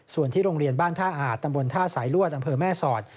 ส่วนที่โรงเรียนบ้านท่าอาจตำบลท่าสายลวดอำเภอแม่สอด